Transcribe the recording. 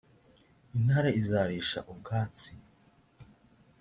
intare izarisha ubwatsi